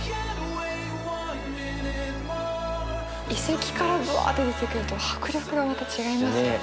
遺跡からブワッて出てくると迫力がまた違いますよね。